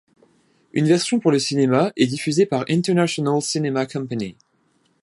Une version pour le cinéma est diffusée par International Cinema Company.